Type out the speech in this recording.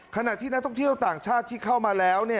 ขณะที่นักท่องเที่ยวต่างชาติที่เข้ามาแล้ว